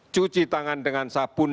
cuci tangan dengan sabun